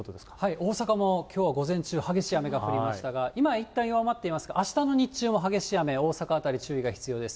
大阪もきょうは午前中、激しい雨が降りましたが、今、いったん弱まっていますが、あしたの日中も激しい雨、大阪辺り注意が必要です。